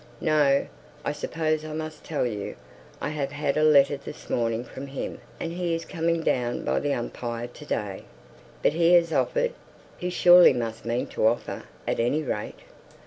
"No! I suppose I must tell you. I have had a letter this morning from him, and he's coming down by the 'Umpire' to day." "But he has offered? He surely must mean to offer, at any rate?"